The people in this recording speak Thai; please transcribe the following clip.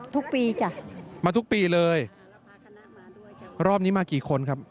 ทุกปีจ้ะมาทุกปีเลยรอบนี้มากี่คนครับ